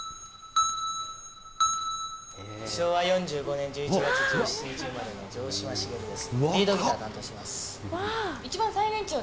昭和４５年１１月１７日生まれの城島茂です。